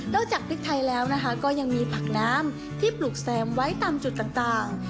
จากพริกไทยแล้วนะคะก็ยังมีผักน้ำที่ปลูกแซมไว้ตามจุดต่าง